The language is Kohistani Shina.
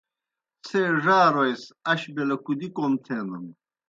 څھے ڙاروئے سہ اش بیْلہ کُدی کوْم تھینَن؟